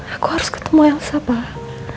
aku harus ketemu elsa pak